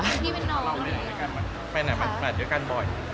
พี่เป็นน้องไปไหนมาด้วยกันบ่อย